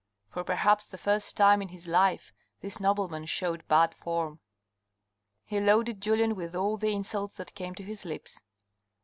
For perhaps the first time in his life this nobleman showed bad form. He loaded Julien with all the insults that came to his lips.